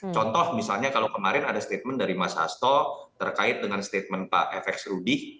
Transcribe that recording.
contoh misalnya kalau kemarin ada statement dari mas hasto terkait dengan statement pak fx rudy